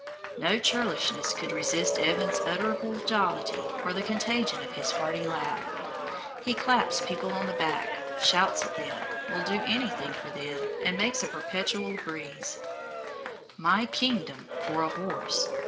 No churlishness could resist Evans's unutterable jollity or the contagion of his hearty laugh. He claps people on the back, shouts at them, will do anything for them, and makes a perpetual breeze. "My kingdom for a horse!"